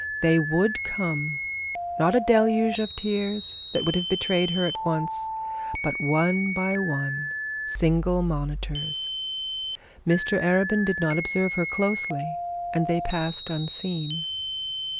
They would come; not a deluge of tears that would have betrayed her at once, but one by one, single monitors. Mr Arabin did not observe her closely, and they passed unseen.